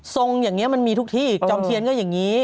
ทรงอย่างนี้มันมีทุกที่จอมเทียนก็อย่างนี้